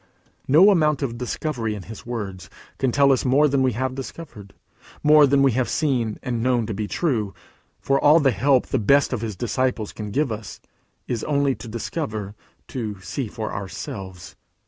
No amount of discovery in his words can tell us more than we have discovered, more than we have seen and known to be true. For all the help the best of his disciples can give us is only to discover, to see for ourselves.